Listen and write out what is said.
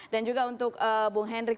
dan juga untuk bu hendrik